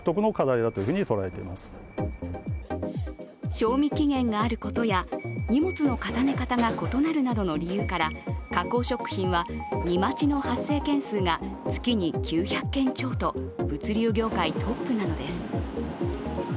賞味期限があることや荷物の重ね方が異なるなどの理由から加工食品は荷待ちの発生件数が月に９００件超と物流業界トップなのです。